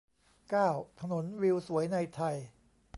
เก้า ถนนวิวสวยในไทย